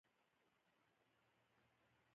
انسان څو جوړه کروموزومونه لري؟